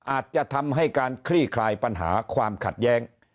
อาจจะทำให้การคลี่คลายปัญหาความขัดแย้ง